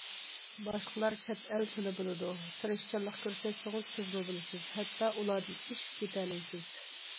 باشقىلار چەت ئەل تىلى بىلىدۇ، تىرىشچانلىق كۆرسەتسىڭىز سىزمۇ بىلىسىز، ھەتتا ئۇلاردىن ئېشىپ كېتەلەيسىز.